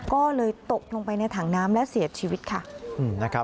ก็เลยตกลงไปในถังน้ำและเสียชีวิตค่ะ